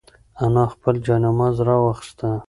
انا خپل جاینماز راواخیست.